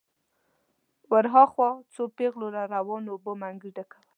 ور هاخوا څو پېغلو له روانو اوبو منګي ډکول.